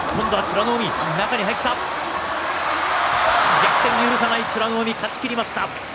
逆転を許さない美ノ海、勝ち切りました。